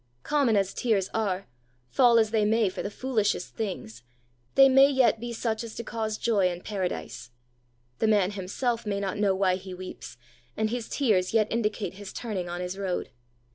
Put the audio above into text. Common as tears are, fall as they may for the foolishest things, they may yet be such as to cause joy in paradise. The man himself may not know why he weeps, and his tears yet indicate his turning on his road.